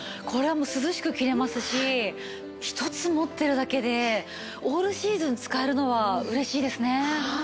これはもう涼しく着られますし１つ持ってるだけでオールシーズン使えるのは嬉しいですね。